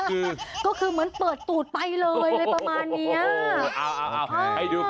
ก็คือเหมือนเปิดตูดไปเลยอะไรประมาณเนี้ย